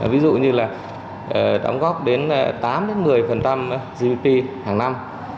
ví dụ như là đóng góp đến tám một mươi gdp hàng năm